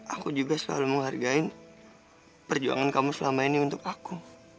aku juga selalu menghargai perjuangan kamu selama ini untuk aku